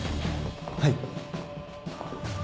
はい？